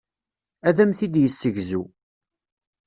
Ad am-t-id-yessegzu.